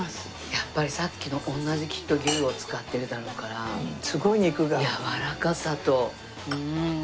やっぱりさっきの同じきっと牛を使ってるだろうからやわらかさとうん美味しい。